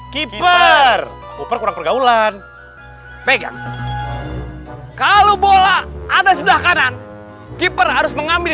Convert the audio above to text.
keeper uper kurang pergaulan pegang kalau bola ada sebelah kanan keeper harus mengambil